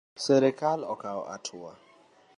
Sirkal okaw atua